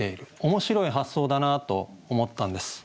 面白い発想だなと思ったんです。